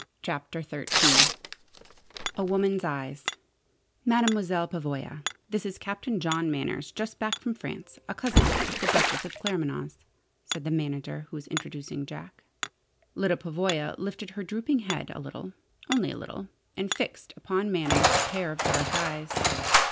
CHAPTER XIII A WOMAN'S EYES "Mademoiselle Pavoya, this is Captain John Manners, just back from France: a cousin of the Duchess of Claremanagh's," said the manager who was introducing Jack. Lyda Pavoya lifted her drooping head a little only a little, and fixed upon Manners a pair of dark eyes.